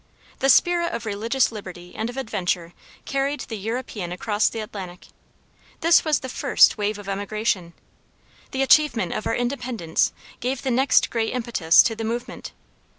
The spirit of religious liberty and of adventure carried the European across the Atlantic. This was the first wave of emigration. The achievement of our Independence gave the next great impetus to the movement.